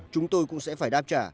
chúng tôi cũng sẽ phải đáp trả